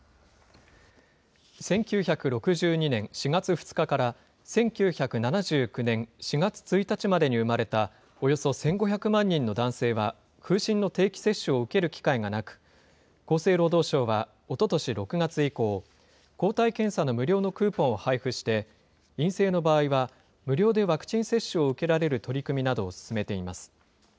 １９６２年４月２日から１９７９年４月１日までに生まれた、およそ１５００万人の男性は、風疹の定期接種を受ける機会がなく、厚生労働省はおととし６月以降、抗体検査の無料のクーポンを配布して、陰性の場合は無料でワクチン接種を受けられる取り組みなどを進めています。